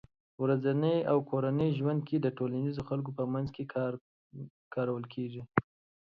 ورځني او کورني ژوند کې د ټولنيزو خلکو په منځ کې کارول کېږي